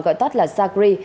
gọi tắt là sacri